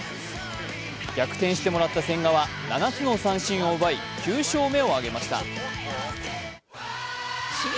逆転してもらった千賀は７つの三振を奪い９勝目を挙げました。